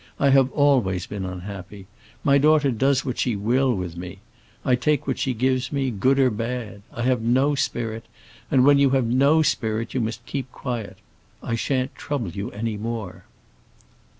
I have always been unhappy. My daughter does what she will with me. I take what she gives me, good or bad. I have no spirit, and when you have no spirit you must keep quiet. I shan't trouble you any more."